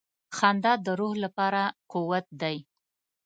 • خندا د روح لپاره قوت دی.